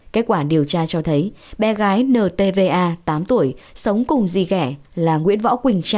kết quả điều tra cho thấy bé gái ntva tám tuổi sống cùng gì ghẻ là nguyễn võ quỳnh trang